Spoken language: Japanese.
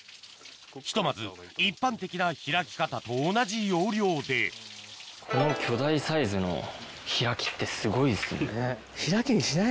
ひとまず一般的な開き方と同じ要領でこの巨大サイズの開きってすごいですね。